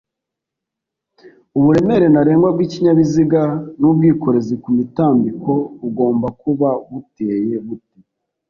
uburemere ntarengwa bw’ikinyabiziga n’ubwikorezi ku mitambiko bugomba kuba buteye bute